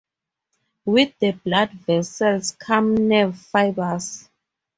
With the blood vessels come nerve fibers.